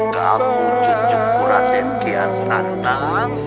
kamu cucu kura raden kian santang